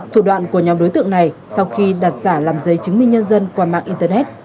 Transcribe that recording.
thủ đoạn của nhóm đối tượng này sau khi đặt giả làm giấy chứng minh nhân dân qua mạng internet